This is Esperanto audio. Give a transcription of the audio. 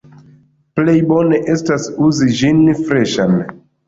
Plej bone estas uzi ĝin freŝan.